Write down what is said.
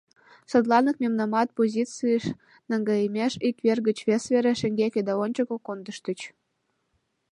Садланак мемнамат, позицийыш наҥгайымеш, ик вер гыч вес вере, шеҥгеке да ончыко кондыштыч.